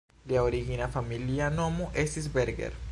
Lia origina familia nomo estis "Berger".